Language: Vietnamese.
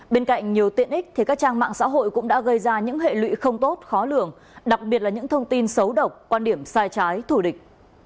bên cạnh nhiều tiện ích các trang mạng xã hội cũng đã gây ra những hệ lụy không tốt khó lường đặc biệt là những thông tin xấu độc quan điểm sai trái thủ địch